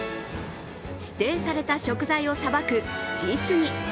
指定された食材をさばく実技。